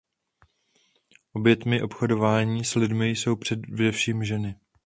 Obětmi obchodování s lidmi jsou především ženy.